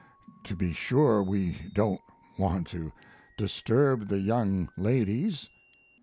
To be sure we don't want to disturb the young ladies."